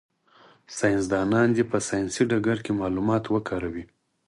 ساینس دان دي په ساینسي ډګر کي معلومات وکاروي.